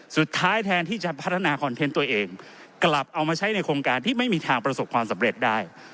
สุดท้ายแทนที่จะพัฒนาคอนเทนต์ตัวเองกลับเอามาใช้ในโครงการที่ไม่มีทางประสบความสำเร็จได้